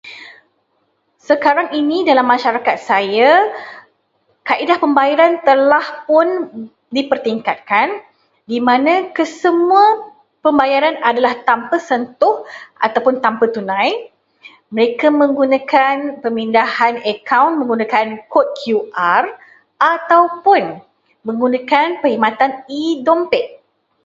Sekarang ini, dalam masyarakat saya, kaedah pembayaran telah pun dipertingkatkan, di mana kesemua pembayaran adalah tanpa sentuh atau tanpa tunai. Mereka menggunakan pemindahan akaun menggunakan kod QR ataupun menggunakan perkhidmatan e-dompet.